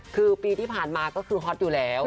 คือปีที่ผ่านมาก็คือฮอตอยู่แล้ว